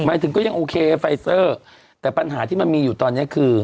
หมายถึงก็ยังโอเคไฟเซอร์แต่ปัญหาที่มันมีอยู่ตอนนี้คือ